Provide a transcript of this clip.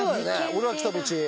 俺ら来た道。